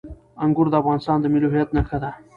انګور د افغانستان د ملي هویت نښه ده.